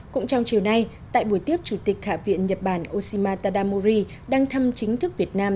cũng trong chiều nay tại buổi tiếp chủ tịch hạ viện nhật bản oshima tadamori đang thăm chính thức việt nam